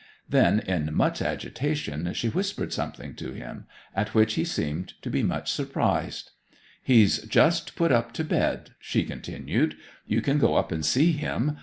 Then in much agitation she whispered something to him, at which he seemed to be much surprised. 'He's just put to bed,' she continued. 'You can go up and see him.